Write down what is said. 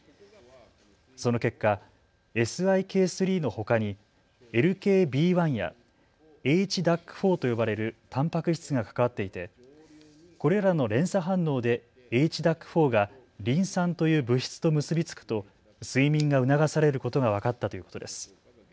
その結果、ＳＩＫ３のほかにＬＫＢ１やＨＤＡＣ４と呼ばれるたんぱく質が関わっていて、これらの連鎖反応でＨＤＡＣ４がリン酸という物質と結び付くと睡眠が促されることが分かったということです。